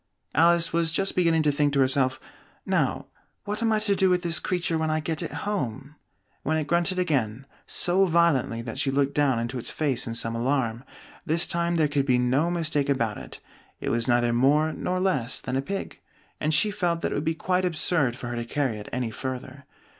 Alice was just beginning to think to herself, "Now, what am I to do with this creature when I get it home?" when it grunted again, so violently that she looked down into its face in some alarm. This time there could be no mistake about it: it was neither more nor less than a pig, and she felt that it would be quite absurd for her to carry it any further.